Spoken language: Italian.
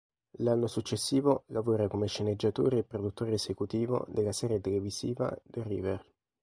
L'anno successivo lavora come sceneggiatore e produttore esecutivo della serie televisiva "The River".